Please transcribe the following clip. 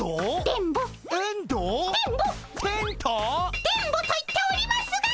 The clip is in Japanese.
電ボと言っておりますが！